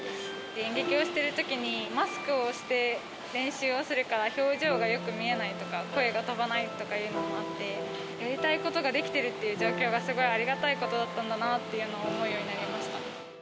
演劇をしてるときにマスクをして練習をするから、表情がよく見えないとか、声が飛ばないとかいうのもあって、やりたいことができてるっていう状況がすごいありがたいことだったんだなというのを思うようになりました。